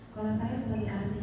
kalau saya sebagai artis